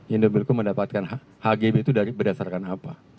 indobilco mendapatkan hgb itu berdasarkan apa